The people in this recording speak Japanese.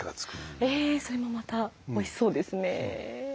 えそれもまたおいしそうですね。